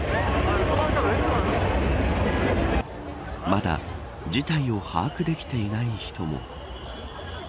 まだ事態を把握できていない人も。